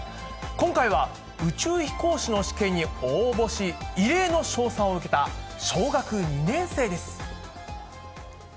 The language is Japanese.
今回は宇宙飛行士の試験に応募し、異例の称賛を受けた小学２年生です。